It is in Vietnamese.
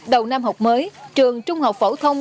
đầu năm học mới trường trung học phổ thông